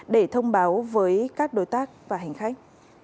để thông báo với các đối tác và hành khách